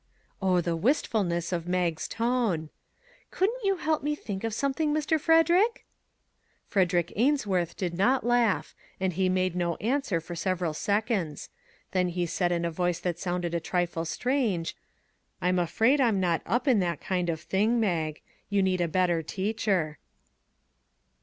Oh, the wistfulness of Mag's tone !" Couldn't you help me think of something, Mr. Frederick ?" Frederick Ainsworth did not laugh, and he made no answer for several seconds; then he said in a voice that sounded a trifle strange: " I'm afraid I'm not up in that kind of thing, Mag. You need a better teacher."